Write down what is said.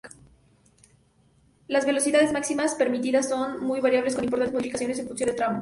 Las velocidades máximas permitidas son muy variables con importantes modificaciones en función del tramo.